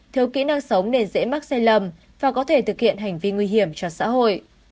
thiếu kỹ năng sống nên dễ mắc sai lầm và có thể thực hiện hành vi nguy hiểm cho xã hội